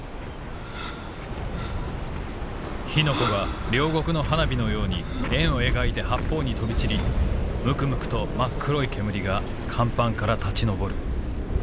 「火の粉が両国の花火のように円を描いて八方に飛び散りむくむくと真っ黒い煙が甲板から立ち上る」。